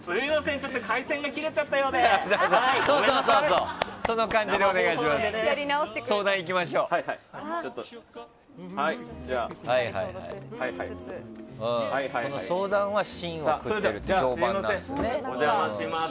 ちょっと回線が切れちゃったようでその感じでお願いします。